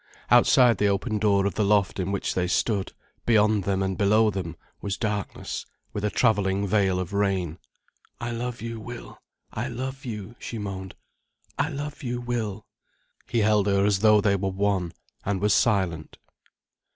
Outside the open door of the loft in which they stood, beyond them and below them, was darkness, with a travelling veil of rain. "I love you, Will, I love you," she moaned, "I love you, Will." He held her as though they were one, and was silent.